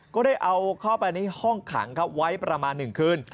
ก็ได้เอาเข้าไปในห้องขังครับไว้ประมาณ๑คืน